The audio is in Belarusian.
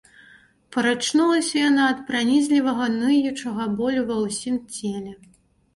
Прачнулася яна ад пранізлівага ныючага болю ва ўсім целе.